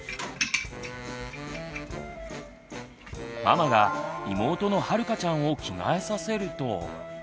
ママが妹のはるかちゃんを着替えさせると。